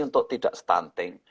untuk tidak stunting